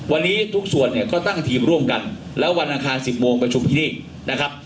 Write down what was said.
วันนี้ทุกส่วนเนี่ยก็ตั้งทีมร่วมกันแล้ววันอังคาร๑๐โมงประชุมที่นี่นะครับ